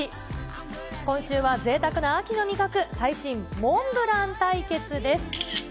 今週はぜいたくな秋の味覚、最新モンブラン対決です。